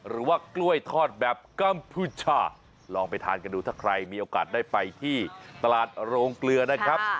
หรือว่ากล้วยทอดแบบกัมพูชาลองไปทานกันดูถ้าใครมีโอกาสได้ไปที่ตลาดโรงเกลือนะครับ